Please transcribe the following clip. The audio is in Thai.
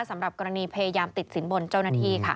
สำหรับกรณีพยายามติดสินบนเจ้าหน้าที่ค่ะ